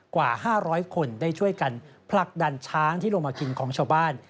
กว่า๕๐๐คนได้ช่วยกันผลักดันช้างที่ลงมากินของชาวบ้าน